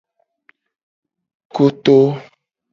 Koto.